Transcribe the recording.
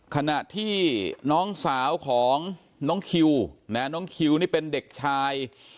ขณะที่น้องสาวของน้องคิวน้องคิวนี่เป็นเด็กชาย